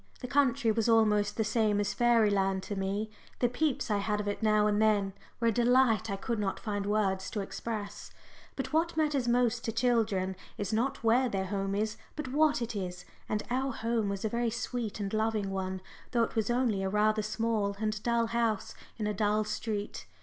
The country was almost the same as fairyland to me the peeps I had of it now and then were a delight I could not find words to express. But what matters most to children is not where their home is, but what it is. And our home was a very sweet and loving one, though it was only a rather small and dull house in a dull street.